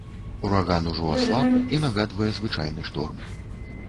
Ураган ужо аслаб і нагадвае звычайны шторм.